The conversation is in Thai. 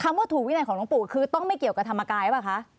คำว่าถูกวินะของลุงปู่คือต้องไม่เกี่ยวกับธรรมกายบ้าคะ